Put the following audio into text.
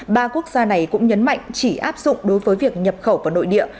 ba quốc gia này cũng nhấn mạnh chỉ áp dụng đối với việc nhập khẩu vào nội địa